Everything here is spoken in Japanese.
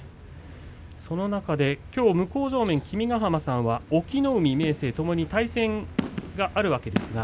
その中で向正面君ヶ濱さんは隠岐の海、明生ともに対戦があります。